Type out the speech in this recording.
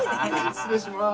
失礼します。